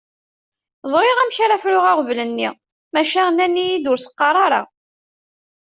Ẓriɣ amek ara fruɣ aɣbel-nni maca nnan-iyi-d ur s-qqar ara.